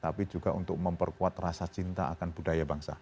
tapi juga untuk memperkuat rasa cinta akan budaya bangsa